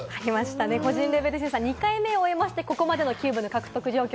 個人レベル審査２回目を終えまして、ここまでのキューブの獲得状況